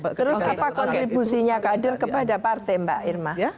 terus apa kontribusinya kader kepada partai mbak irma